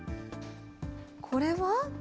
これは？